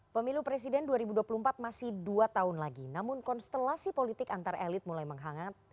pemilu presiden dua ribu dua puluh empat masih dua tahun lagi namun konstelasi politik antar elit mulai menghangat